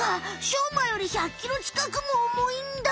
しょうまより１００ｋｇちかくもおもいんだ！